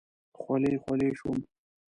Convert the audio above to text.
خولې خولې شوم.